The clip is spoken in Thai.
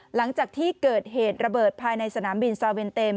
หลังจากที่เกิดเหตุระเบิดภายในสนามบินซาเวนเต็ม